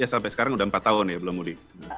sampai sekarang sudah empat tahun ya belum mudik